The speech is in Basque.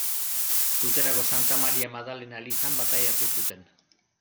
Tuterako Santa Maria Madalena elizan bataiatu zuten.